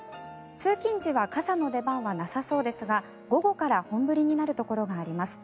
通勤時は傘の出番はなさそうですが午後から本降りになるところがあります。